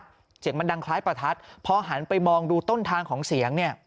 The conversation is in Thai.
เสียงมันดังคล้ายประทัดพอหันไปมองดูต้นทางของเสียงเนี่ย